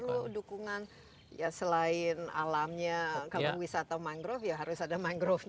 tapi ini kan perlu dukungan ya selain alamnya kalau wisata mangrove ya harus ada mangrovenya